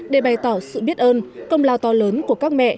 để bày tỏ sự biết ơn công lao to lớn của các mẹ